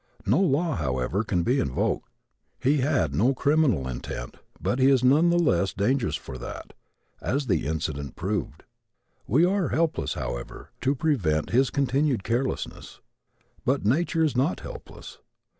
No law, however, can be invoked. He had no criminal intent but he is none the less dangerous for that, as the incident proved. We are helpless, however, to prevent his continued carelessness. But nature is not helpless.